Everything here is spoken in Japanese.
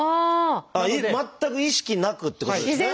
全く意識なくってことですね。